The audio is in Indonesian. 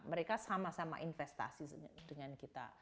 mereka sama sama investasi dengan kita